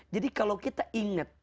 jadi kalau kita ingat